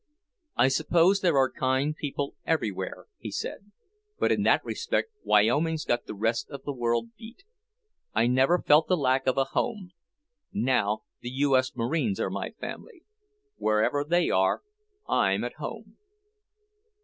"I suppose there are kind women everywhere," he said, "but in that respect Wyoming's got the rest of the world beat. I never felt the lack of a home. Now the U. S. Marines are my family. Wherever they are, I'm at home."